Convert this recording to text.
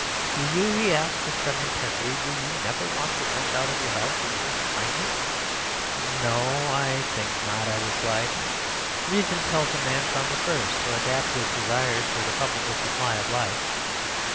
Do you,' he asked with a sudden intensity, 'do you never want to rush out of your house in order to find it?' "'No, I think not,' I replied; 'reason tells a man from the first to adapt his desires to the probable supply of life.